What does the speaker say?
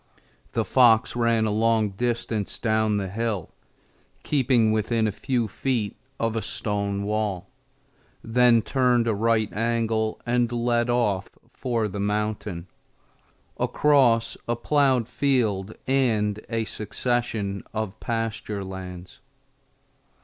The fox ran a long distance down the hill, keeping within a few feet of a stone wall; then turned a right angle and led off for the mountain, across a plowed field and a succession of pasture lands.